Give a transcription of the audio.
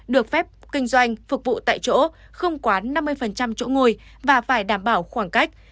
được phép kinh doanh phục vụ tại chỗ không quá năm mươi chỗ ngồi và phải đảm bảo khoảng cách